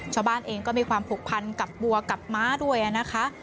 ชาวบ้านเองก็มีความผูกพันกับบัวกับม้าด้วยนะคะ